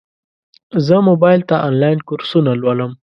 زه موبایل ته انلاین کورسونه لولم.